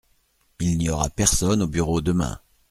Il n’y aura personne au bureau demain.